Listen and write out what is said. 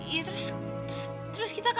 ya terus kita kapan